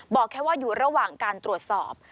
บอกแค่ว่าอยู่ระหว่างการตรวจสอบ